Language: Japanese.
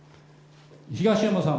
東山さん